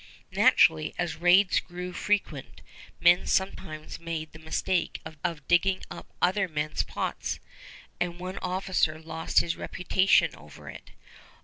Naturally, as raids grew frequent, men sometimes made the mistake of digging up other men's pots, and one officer lost his reputation over it.